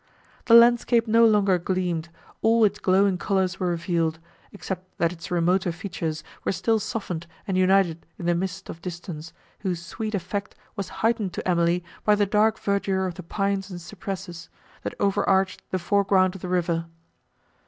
The landscape no longer gleamed; all its glowing colours were revealed, except that its remoter features were still softened and united in the mist of distance, whose sweet effect was heightened to Emily by the dark verdure of the pines and cypresses, that over arched the foreground of the river.